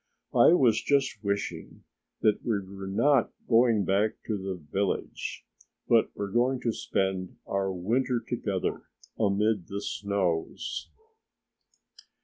I was just wishing that we were not going back to the village but were going to spend our winter together amid the snows."